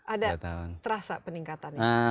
ada terasa peningkatan